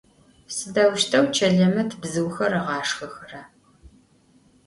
Sıdeuşteu Çelemet bzıuxer ığaşşxexera?